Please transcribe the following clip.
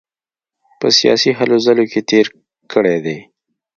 په سیاسي هلو ځلو کې تېر کړی دی.